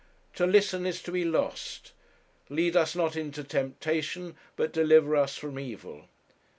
To listen is to be lost. 'Lead us not into temptation, but deliver us from evil!'